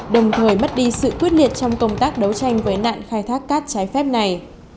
đồng thời mất đi sự quyết liệt trong công tác đấu tranh với nạn khai thác cát trái phép này